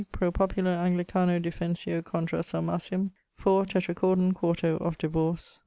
pro populo Anglicano defensio, contra Salmasium. 4. Tetrachordon, 4to: of divorce.